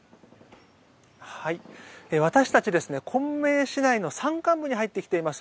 私たち昆明市内の山間部に入ってきています。